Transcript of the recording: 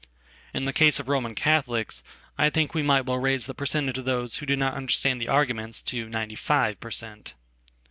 In the case of Roman Catholics I think we might wellraise the percentage of those who do not understand the argumentsto ninety five per cent.